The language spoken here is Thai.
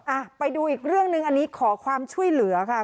อ่ะไปดูอีกเรื่องหนึ่งอันนี้ขอความช่วยเหลือค่ะ